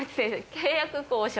「契約交渉」。